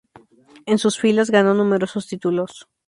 En sus filas ganó numerosos títulos.